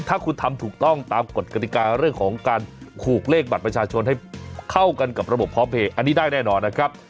ถ้าคุณทำถูกต้องตามกฎกติกาเรื่องของการผูกเลขบัตรประชาชนให้เข้ากันกับระบบพร้อมเพลย์อันนี้ได้แน่นอนนะครับ